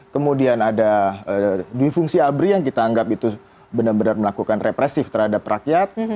kemudian ada dwi fungsi abri yang kita anggap itu benar benar melakukan represif terhadap rakyat